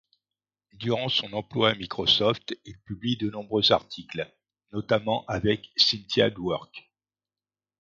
Durant son emploi à Microsoft, il publie de nombreux articles, notamment avec Cynthia Dwork.